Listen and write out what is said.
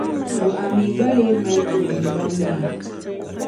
Bo ka a mii gba leei mali n-ti tiŋgbani maa?